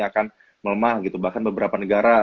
akan melemah gitu bahkan beberapa negara